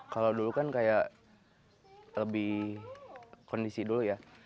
kalau dulu kan kayak lebih kondisi dulu ya